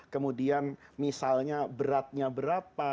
kemudian misalnya beratnya berapa